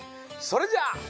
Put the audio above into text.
それじゃあ。